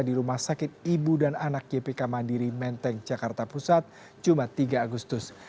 di rumah sakit ibu dan anak gpk mandiri menteng jakarta pusat jumat tiga agustus